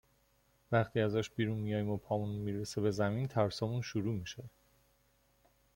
وقتی ازش بیرون میایم و پامون میرسه به زمین، ترسامون شروع میشه